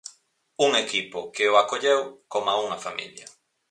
Un equipo que o acolleu coma unha familia.